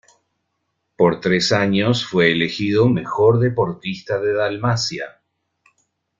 Por tres años fue elegido Mejor deportista de Dalmacia.